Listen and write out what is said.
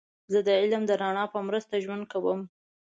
زه د علم د رڼا په مرسته ژوند کوم.